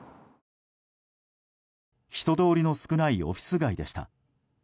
人通りの少ないオフィス街でした。